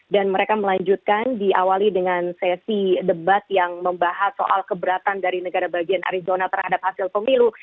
dan mereka melanjutkan diawali dengan sesi debat yang membahas soal keberatan dari negara bagian arizona terhadap hasil pemilu